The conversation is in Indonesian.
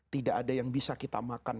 tidak ada yang bisa kita makan